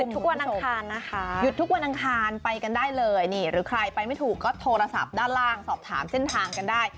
ทุกวันอังคารนะคะหยุดทุกวันอังคารไปกันได้เลยนี่หรือใครไปไม่ถูกก็โทรศัพท์ด้านล่างสอบถามเส้นทางกันได้